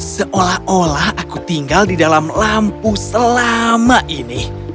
seolah olah aku tinggal di dalam lampu selama ini